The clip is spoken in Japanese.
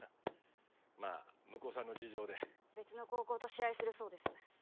まあ向こうさんの事情で別の高校と試合するそうです